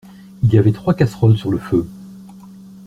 Il y avait trois casseroles sur le feu.